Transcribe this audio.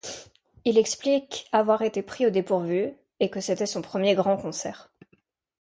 Il explique avoir été pris au dépourvu et que c'était son premier grand concert.